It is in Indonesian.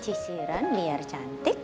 cisiran biar cantik